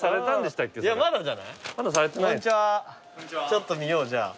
ちょっと見ようじゃあ。